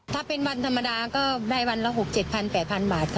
ถ้าเป็นวันธรรมดาก็ได้วันละ๖๗๐๐๘๐๐บาทค่ะ